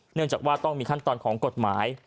เนื่องจากว่าต้องมีขั้นตอนของกฎหมาย